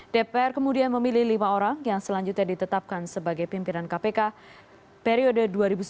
dpr kemudian memilih lima orang yang selanjutnya ditetapkan sebagai pimpinan kpk periode dua ribu sembilan belas dua ribu dua